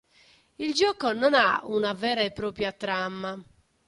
Il gioco non ha una vera e propria trama.